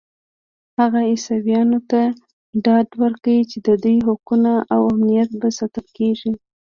هغه عیسویانو ته ډاډ ورکړ چې د دوی حقوق او امنیت به ساتل کېږي.